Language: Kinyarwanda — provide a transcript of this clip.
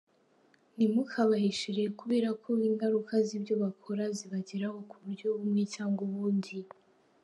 Ntimukabahishire kubera ko ingaruka z’ibyo bakora zibageraho ku buryo bumwe cyangwa ubundi."